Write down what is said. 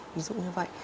ví dụ như vậy